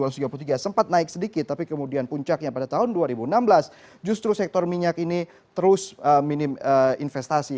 dua ribu dua belas dua ratus tiga puluh tiga sempat naik sedikit tapi kemudian puncaknya pada tahun dua ribu enam belas justru sektor minyak ini terus minim investasi